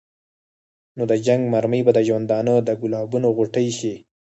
نو د جنګ مرمۍ به د ژوندانه د ګلابونو غوټۍ شي.